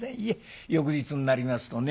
翌日になりますとね